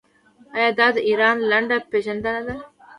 آیا دا د ایران لنډه پیژندنه نه ده؟